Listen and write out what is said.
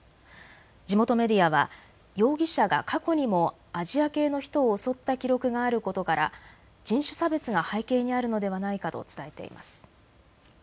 地元メディアは容疑者が過去にもアジア系の人を襲った記録があることから人種差別が背景にあるのではないかと伝えています。